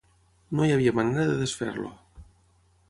No hi havia manera de desfer-lo.